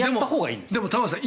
でも、玉川さん